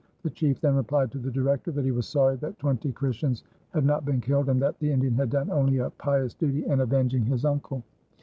The chief then replied to the Director that he was sorry that twenty Christians had not been killed and that the Indian had done only a pious duty in avenging his uncle.